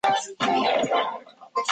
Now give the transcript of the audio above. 你作为天下名士必须有坚定的信念！